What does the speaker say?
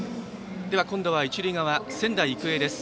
今度は一塁側の仙台育英です。